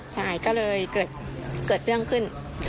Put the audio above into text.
ฉะนั้นก็เลยเกิดเรื่องขึ้น